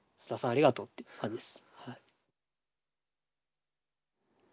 ありがとうっていう感じです。